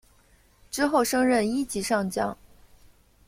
之后升任一级上将。